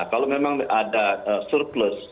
kalau memang ada surplus